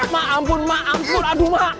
mak ampun mak ampun aduh mak